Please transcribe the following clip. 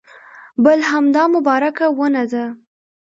بل همدا مبارکه ونه ده.